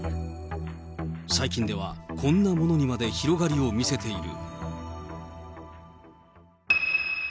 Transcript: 最近では、こんなものにまで広がりを見せている。